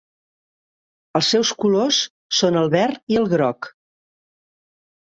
Els seus colors són el verd i el groc.